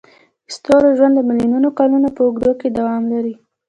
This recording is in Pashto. د ستوري ژوند د میلیونونو کلونو په اوږدو کې دوام لري.